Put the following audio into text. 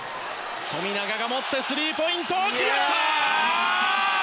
富永が持ってスリーポイント決まった！